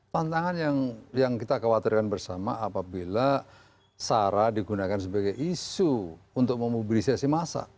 tantangan yang kita khawatirkan bersama apabila sarah digunakan sebagai isu untuk memobilisasi masa